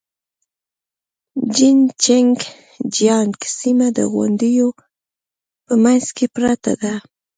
جين چنګ جيانګ سيمه د غونډيو په منځ کې پرته ده.